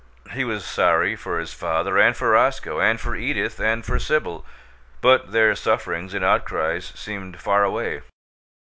He was sorry for his father and for Roscoe, and for Edith and for Sibyl, but their sufferings and outcries seemed far away.